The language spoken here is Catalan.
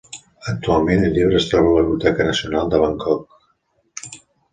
Actualment el llibre es troba a la Biblioteca Nacional de Bangkok.